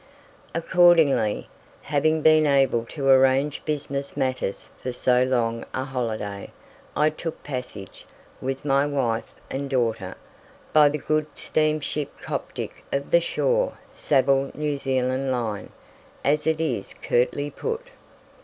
Accordingly, having been able to arrange business matters for so long a holiday, I took passage, with my wife and daughter, by the good steamship "Coptic" of the "Shaw, Savill New Zealand Line," as it is curtly put.